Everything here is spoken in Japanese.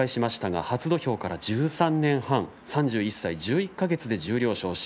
関取を先ほど紹介しましたが初土俵から１３年半３１歳１１か月で十両昇進